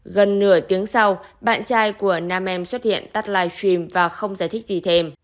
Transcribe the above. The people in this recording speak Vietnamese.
gần nửa tiếng sau bạn trai của nam em xuất hiện tắt livestream và không giải thích gì thêm